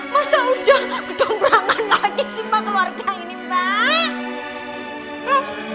masa udah ketembrangan lagi sih mbak keluarga ini mbak